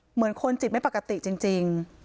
เหมือนคนจิตไม่ปกติจริง